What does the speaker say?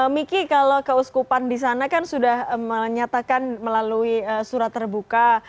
miki kalau keuskupan di sana kan sudah menyatakan melalui surat terbuka